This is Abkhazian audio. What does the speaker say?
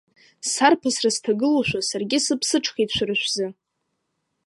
Сарԥысра сҭагылоушәа, саргьы сыԥсыҽхеит, шәара шәзы…